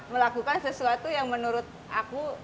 melakukan sesuatu yang menurut aku